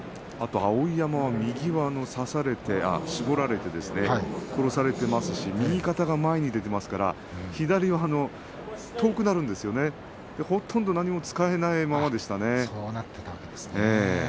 碧山、右を差されて絞られて、殺されてますし右肩が前に出ていますから左が遠くなるんですよねほとんど何も使えないままでしたね。